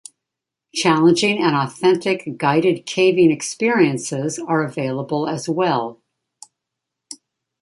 Challenging and authentic guided caving experiences are available as well.